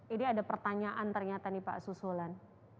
ini ada pertanyaan ternyata nih pak susulan